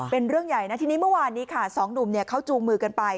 เป็นเรื่องใหญ่นะทีนี้เมื่อวานนี้ค่ะสองหนุ่มเขาจูงมือกันไป